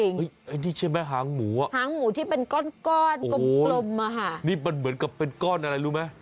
นี่ใช่ไหมหางหมูอ่ะโอ้โฮนี่มันเหมือนกับเป็นก้อนอะไรรู้ไหม